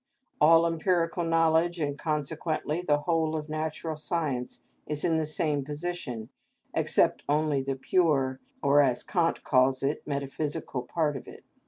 All empirical knowledge, and consequently the whole of natural science, is in the same position, except only the pure, or as Kant calls it, metaphysical part of it.